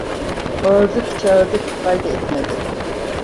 Bağırdık çağırdık, fayda etmedi.